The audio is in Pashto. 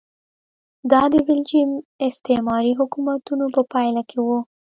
دا د بلجیم استعماري حکومتونو په پایله کې و.